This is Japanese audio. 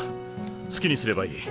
好きにすればいい。